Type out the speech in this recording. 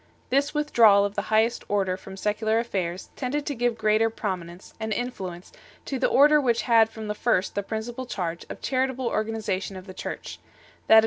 This withdrawal of the highest order from secular affairs tended to give greater prominence and in fluence to the order which had from the first the principal charge of charitable organization of the Church that of 1 Pseudo Ambrosius [Hilary] on 1 Tim.